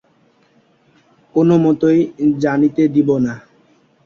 কোনোমতেই জানিতে দিব না।